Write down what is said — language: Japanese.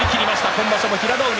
今場所も平戸海。